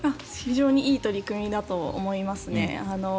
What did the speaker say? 非常にいい取り組みだと思います。